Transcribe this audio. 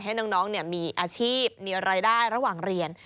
ให้น้องมีอาชีพมีรายได้ระหว่างเรียน